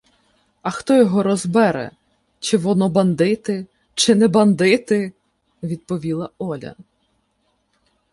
— А хто його розбере, чи воно бандити, чи не бандити! — відповіла Оля.